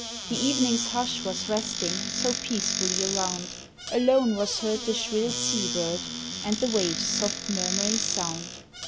The evening's hush was resting So peacefully around, Alone was heard the shrill sea bird, And the waves' soft murmuring sound.